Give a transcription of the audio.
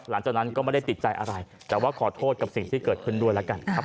หลังจากนั้นก็ไม่ได้ติดใจอะไรแต่ว่าขอโทษกับสิ่งที่เกิดขึ้นด้วยแล้วกันครับ